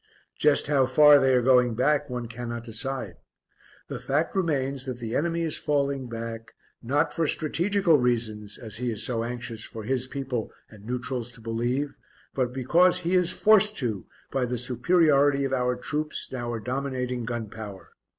Just how far they are going back one cannot decide. The fact remains that the enemy is falling back, not for strategical reasons, as he is so anxious for his people and neutrals to believe, but because he is forced to by the superiority of our troops and our dominating gun power.